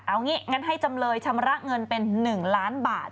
เอางี้งั้นให้จำเลยชำระเงินเป็น๑ล้านบาท